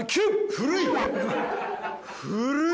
古い！